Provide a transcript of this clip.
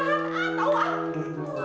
eh mau ternyata